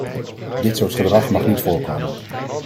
Dit soort gedrag mag niet voorkomen.